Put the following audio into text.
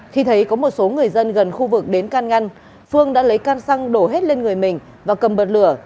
khi thấy có một số người dân gần khu vực đến can ngăn phương đã lấy can xăng đổ hết lên người mình và cầm bật lửa